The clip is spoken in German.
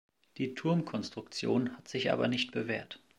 Die Turmkonstruktion hat sich aber nicht bewährt.